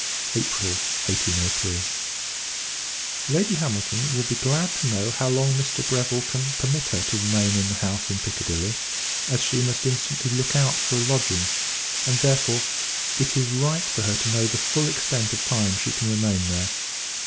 [April 1803.] Lady Hamilton will be glad to know how long Mr. Greville can permit her to remain in the house in Piccadilly, as she must instantly look out for a lodging; and, therefore, it is right for her to know the full extent of time she can remain there.